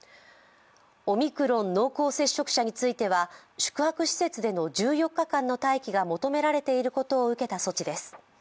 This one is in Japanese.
オミクロン濃厚接触者については宿泊施設での１４日間の待機が求められていることを受けた措置です。